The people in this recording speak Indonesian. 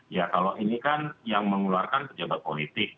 ya kalau ini kan yang mengeluarkan pejabat politik